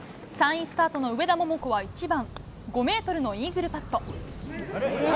３位スタートの上田桃子は１番、５メートルのイーグルパット。